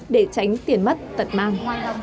để tránh tiền mất tật mang